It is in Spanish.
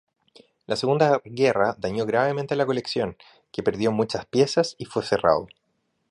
La Segunda Guerra dañó gravemente la colección, que perdió muchas piezas y fue cerrado.